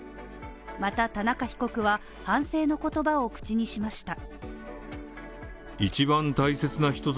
また田中被告は反省の言葉を口にしました。